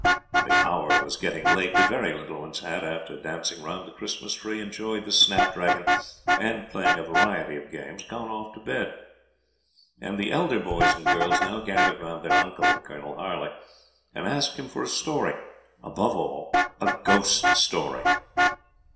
The hour was getting late; the very little ones had, after dancing round the Christmas tree, enjoying the snapdragon, and playing a variety of games, gone off to bed; and the elder boys and girls now gathered round their uncle, Colonel Harley, and asked him for a story above all, a ghost story.